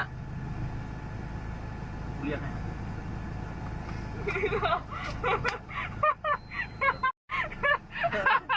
กูเรียกให้